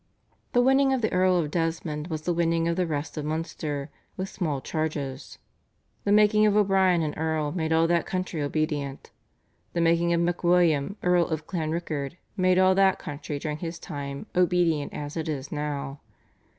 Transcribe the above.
The winning of the Earl of Desmond was the winning of the rest of Munster with small charges. The making of O'Brien an Earl made all that country obedient. The making of MacWilliam Earl of Clanrickard made all that country during his time obedient as it is now.